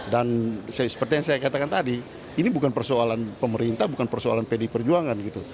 dan seperti yang saya katakan tadi ini bukan persoalan pemerintah bukan persoalan pdi perjuangan gitu